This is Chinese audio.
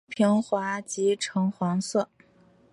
树皮平滑及呈黄色。